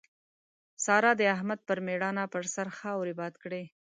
سارا د احمد پر ميړانه پر سر خاورې باد کړې.